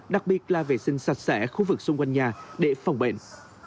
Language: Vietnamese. đặc biệt là vệ sinh sạch sẽ khu vực xung quanh nhà để phòng bệnh